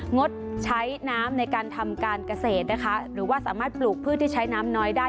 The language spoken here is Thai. งดใช้น้ำในการทำการเกษตรนะคะหรือว่าสามารถปลูกพืชที่ใช้น้ำน้อยได้